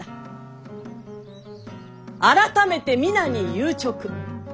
改めて皆に言うちょく。